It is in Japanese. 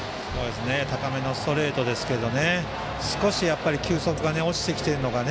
高めのストレートでしたが少し球速が落ちてきているのか。